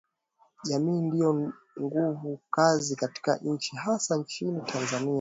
jamii ndiyo nguvu kazi katika nchi hasa nchini Tanzania